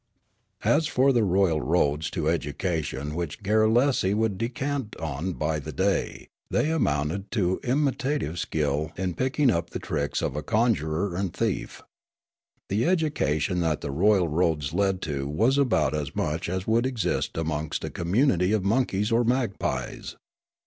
As for the royal roads to education which Garrulesi would descant on by the day, they amounted to imita tive skill in picking up the tricks of a conjurer and thief. The education that the royal roads led to was about as much as would exist amongst a community of monkeys or magpies.